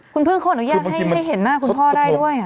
คุณพึ่งเขาอนุญาตให้เห็นหน้าคุณพ่อได้ด้วย